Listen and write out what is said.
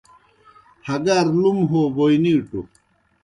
ہگار لُم ہو بوئے نِیٹوْ۔